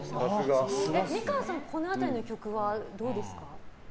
美川さんこの辺りの曲はどうですか？